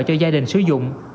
cho gia đình sử dụng